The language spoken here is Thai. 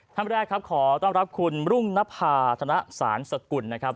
ท่านแรกครับขอต้อนรับคุณรุ่งนภาธนสารสกุลนะครับ